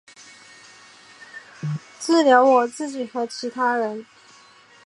治疗我自己和其他人